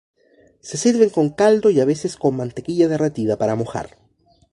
Se sirven con caldo y a veces con mantequilla derretida para mojar.